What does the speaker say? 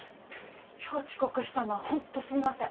今日遅刻したのは本当すいません。